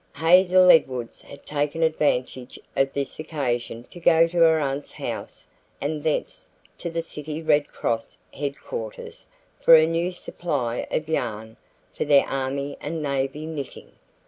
Hazel Edwards had taken advantage of this occasion to go to her aunt's house and thence to the city Red Cross headquarters for a new supply of yarn for their army and navy knitting.